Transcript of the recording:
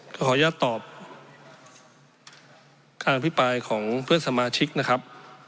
ขออนุญาตตอบการอภิปรายของเพื่อนสมาชิกนะครับ